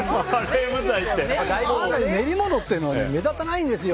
練り物っていうのは目立たないんですよ。